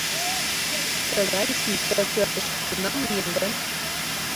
Тыгай сий ты пӧртыштӧ кунам лийын гын?